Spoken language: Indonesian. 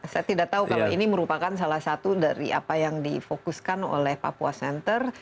saya tidak tahu kalau ini merupakan salah satu dari apa yang difokuskan oleh papua center